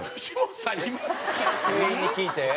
店員に聞いて？